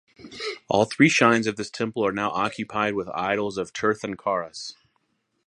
All three shrines of this temple are now occupied with idols of Tirthankaras.